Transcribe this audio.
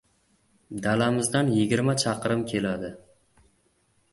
Dalamizdan yigirma chaqirim keladi